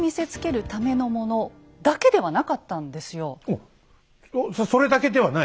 おっそれだけではない？